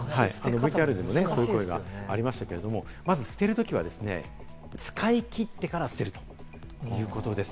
ＶＴＲにもそういう声がありましたが、まず捨てるときは使い切ってから捨てるということです。